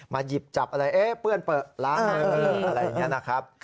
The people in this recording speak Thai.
หยิบจับอะไรเอ๊ะเปื้อนเปลือล้างมืออะไรอย่างนี้นะครับ